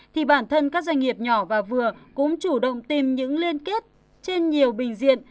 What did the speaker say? thì bản thân các doanh nghiệp nhỏ và vừa cũng chủ động tìm những liên kết trên nhiều bình diện